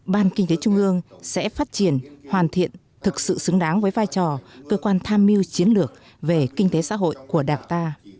ban kinh tế trung ương sẽ phát triển hoàn thiện thực sự xứng đáng với vai trò cơ quan tham mưu chiến lược về kinh tế xã hội của đảng ta